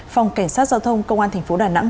phòng cảnh sát giao thông công an tp đà nẵng